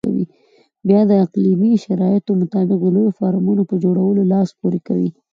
بیا د اقلیمي شرایطو مطابق د لویو فارمونو په جوړولو لاس پورې کوي.